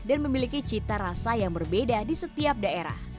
memiliki cita rasa yang berbeda di setiap daerah